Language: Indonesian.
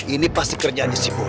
ini pasti kerjaannya si boy